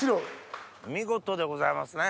見事でございますね。